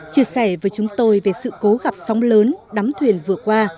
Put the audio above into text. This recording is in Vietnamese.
chia sẻ với chúng tôi về sự cố gặp sóng lớn đắm thuyền vừa qua